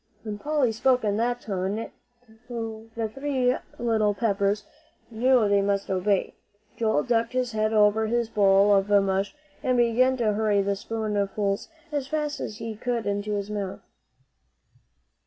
When Polly spoke in that tone, the three little Peppers knew they must obey. Joel ducked his head over his bowl of mush, and began to hurry the spoonfuls as fast as he could into his mouth.